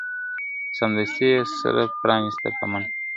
سمدستي یې سره پرانیسته په منډه ..